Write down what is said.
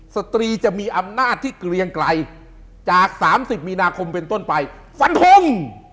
สตรีจะมีอำนาจที่เกรียงไกลจาก๓๐มีนาคมเป็นต้นไปฟันทง